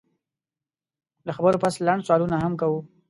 له خبرو پس لنډ سوالونه هم کوو